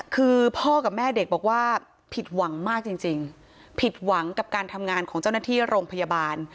คือพ่อกับแม่เด็กบอกว่าผิดหวังมากจริงผิดหวังกับการทำงานของเจ้าหน้าที่โรงพยาบาล